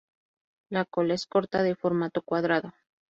La cola es corta, de formato cuadrada.